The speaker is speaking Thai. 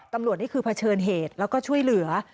นี่คือเผชิญเหตุแล้วก็ช่วยเหลือ